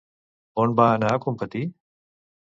On va anar a competir?